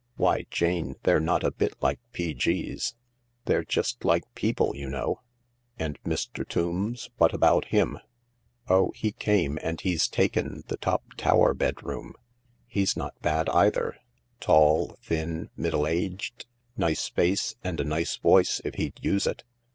Why, Jane, they're not a bit like P.G.'s. They're just like people you know." " And Mr. Tombs— what about him ?" 218 THE LARK " Oh, he came ; and he's taken the top tower bedroom. He b not bad either — tall, thin, middle aged. Nice face, and a nice voice if he'd use it.